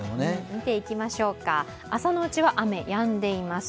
見ていきましょうか、朝のうちは雨やんでいます。